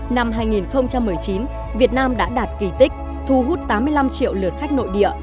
năm hai nghìn một mươi chín việt nam đã đạt kỳ tích thu hút tám mươi năm triệu lượt khách nội địa